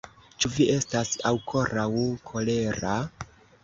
Ĉu vi estas aukoraŭ kolera?